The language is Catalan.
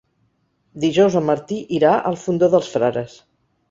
Dijous en Martí irà al Fondó dels Frares.